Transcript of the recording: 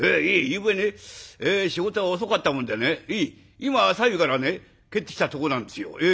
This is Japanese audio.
いやゆうべね仕事が遅かったもんでね今朝湯から帰ってきたとこなんですよ。